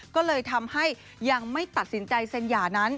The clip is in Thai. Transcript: ก็เลยทำให้ยังไม่ตัดสินใจเซ็นหย่านั้น